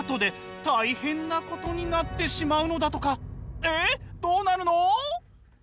ええどうなるの？